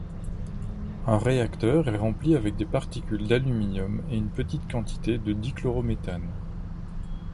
Un réacteur est rempli avec des particules d'aluminium et une petite quantité de dichlorométhane.